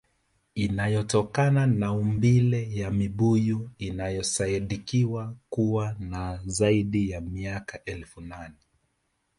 Inayotokana na maumbile ya mibuyu inayosadikiwa kuwa na zaidi ya miaka elfu nane